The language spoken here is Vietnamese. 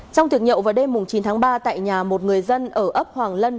trong tiệc nhậu vào đêm chín tháng ba tại nhà một người dân ở ấp hoàng lân